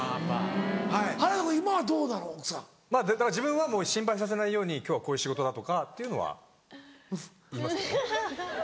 自分は心配させないように今日はこういう仕事だとかっていうのは言いますね。